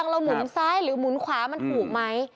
เราหมุนซ้ายหรือหมุนขวามันถูกไหม